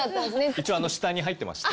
一応下に入ってまして。